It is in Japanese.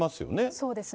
そうですね。